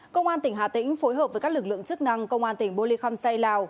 công an tỉnh hà tĩnh phối hợp với các lực lượng chức năng công an tỉnh bô lê khăm say lào